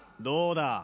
どうだ。